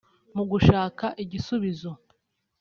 Mu gushaka igisubizo